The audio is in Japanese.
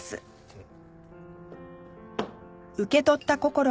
うん。